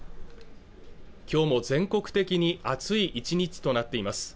今日も全国的に暑い１日となっています